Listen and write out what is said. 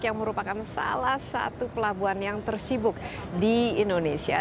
yang merupakan salah satu pelabuhan yang tersibuk di indonesia